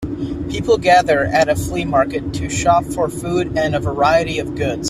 People gather at a flea market to shop for food and a variety of goods.